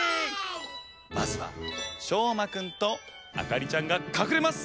まずはしょうまくんとあかりちゃんがかくれます！